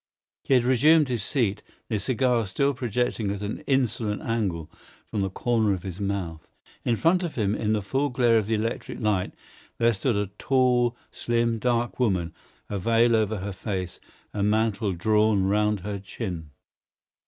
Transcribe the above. He had resumed his seat, the cigar still projecting at an insolent angle from the corner of his mouth. In front of him, in the full glare of the electric light, there stood a tall, slim, dark woman, a veil over her face, a mantle drawn round her chin.